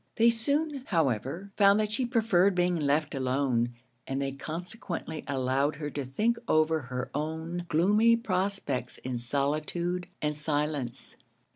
They soon, however, found that she preferred being left alone; and they consequently allowed her to think over her own gloomy prospects in solitude and silence.